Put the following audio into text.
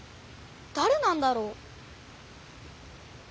だれなんだろう？